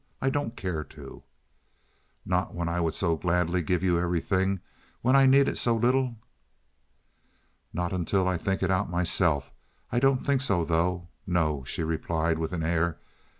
I don't care to." "Not when I would so gladly give you everything—when I need it so little?" "Not until I think it out for myself. I don't think so, though. No," she replied, with an air.